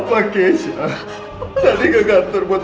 apa kiesa tadi gak kantor buat